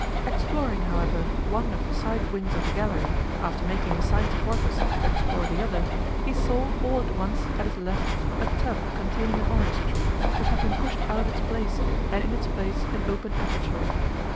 Exploring, however, one of the side wings of the gallery, after making a sign to Porthos to explore the other, he saw, all at once, at his left, a tub containing an orange tree, which had been pushed out of its place and in its place an open aperture.